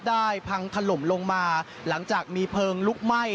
พังถล่มลงมาหลังจากมีเพลิงลุกไหม้